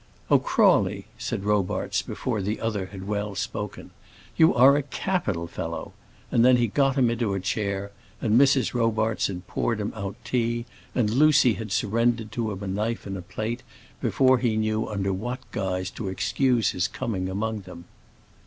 "Oh, Crawley," said Robarts, before the other had well spoken, "you are a capital fellow;" and then he got him into a chair, and Mrs. Robarts had poured him out tea, and Lucy had surrendered to him a knife and plate, before he knew under what guise to excuse his coming among them.